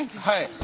はい。